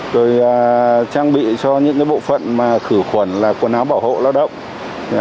rồi trang bị cho những bộ phận khử khuẩn là quần áo bảo hộ lao động